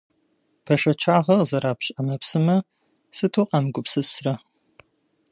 Бэшэчагъэ къызэрапщ ӏэмэпсымэ сыту къамыгупсысрэ.